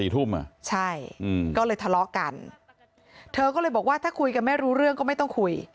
ใช่ก็เลยทะเลาะกันเธอก็เลยบอกว่าถ้าคุยกันไม่รู้เรื่องก็ไม่ต้องคุย